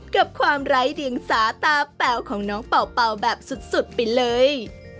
กับความไร้เดียงสาตาแป๋วของน้องเป่าแบบสุดไปเลย